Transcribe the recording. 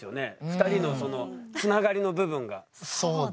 ２人のつながりの部分が。